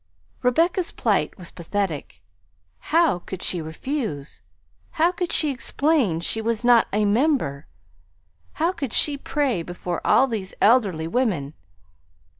Rebecca's plight was pathetic. How could she refuse; how could she explain she was not a "member;" how could she pray before all those elderly women!